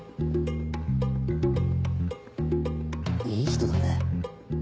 いい人だね。